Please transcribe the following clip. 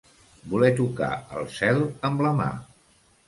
Voler tocar el cel amb la mà.